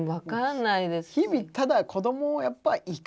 日々ただ子どもをやっぱ生かしとく。